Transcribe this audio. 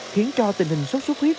khiến cho tình hình sốt xuất huyết